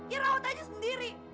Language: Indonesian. ya rawat aja sendiri